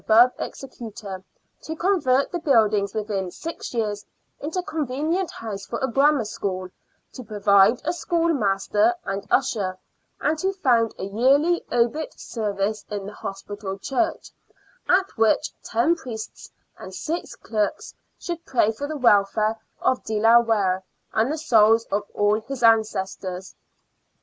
bove executor, to convert the buildings within six years into a convenient house for a grammar school, to provide a schoolmaster and usher, and to found a yearly obit service in the hospital church, at which ten priests and six clerks should pray for the welfare of De la Warre and the souls of all his ancestors.